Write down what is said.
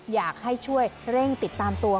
อยากให้ช่วยเร่งติดตามตัว